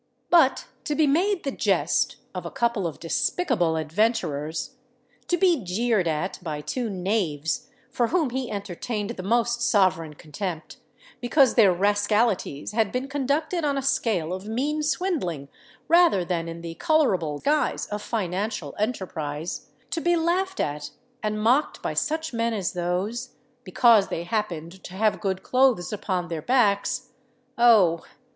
But to be made the jest of a couple of despicable adventurers—to be jeered at by two knaves for whom he entertained the most sovereign contempt, because their rascalities had been conducted on a scale of mean swindling rather than in the colourable guise of financial enterprise,—to be laughed at and mocked by such men as those, because they happened to have good clothes upon their backs,—Oh!